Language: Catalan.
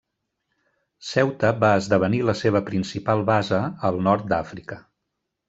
Ceuta va esdevenir la seva principal base al nord d'Àfrica.